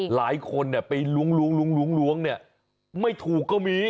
หลายคนไปล้วงเนี่ยไม่ถูกก็มี